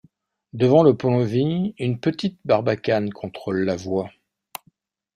Devant le pont-levis, une petite barbacane contrôle la voie.